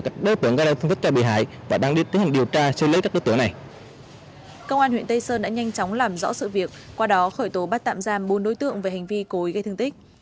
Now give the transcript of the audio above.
công an huyện tây sơn đã nhanh chóng làm rõ sự việc qua đó khởi tố bắt tạm giam bốn đối tượng về hành vi cố ý gây thương tích